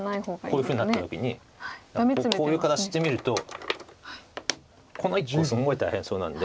こういうふうになった時にこういう形で見るとこの１個すごい大変そうなんで。